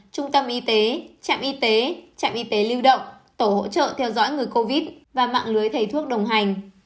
trung tâm y tế trạm y tế trạm y tế lưu động tổ hỗ trợ theo dõi người covid và mạng lưới thầy thuốc đồng hành